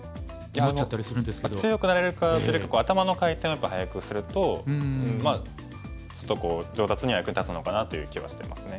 強くなれるかって結構頭の回転がやっぱ速くするとまあちょっと上達には役に立つのかなという気はしてますね。